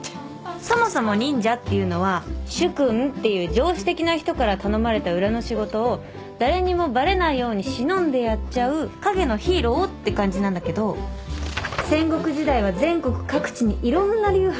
そもそも忍者っていうのは主君っていう上司的な人から頼まれた裏の仕事を誰にもバレないように忍んでやっちゃう影のヒーローって感じなんだけど戦国時代は全国各地にいろんな流派があって。